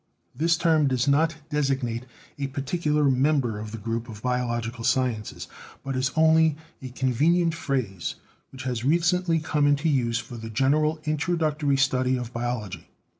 This term does not designate a par ticular member of the group of biological sciences, "but is only a convenient phrase, which has recently come into use for the general introductory study of biology.